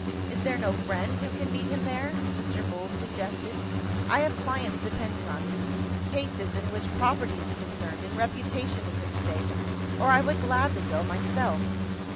"Is there no friend who can meet him there?" Mr. Mool suggested. "I have clients depending on me cases, in which property is concerned, and reputation is at stake or I would gladly go myself.